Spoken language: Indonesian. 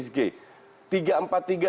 seperti lawan juve lawan psg